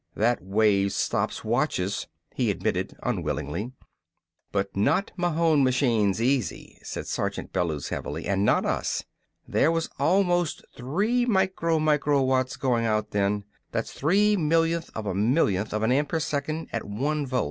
"That wave stops watches," he admitted unwillingly. "But not Mahon machines easy," said Sergeant Bellews heavily, "and not us. There was almost three micro micro watts goin' out then. That's three millionths of a millionth of a ampere second at one volt.